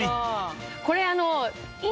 これ。